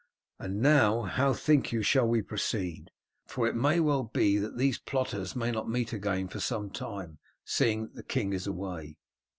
And now, how think you shall we proceed? for it may well be that these plotters may not meet again for some time, seeing that the king is away."